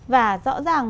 và rõ ràng